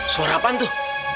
suara apaan tuh